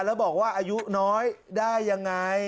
แล้วบอกว่าอายุน้อยได้ยังไง